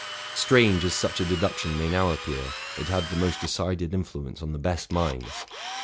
Strange as such a deduction may now appear, it had the most decided influence on the best minds.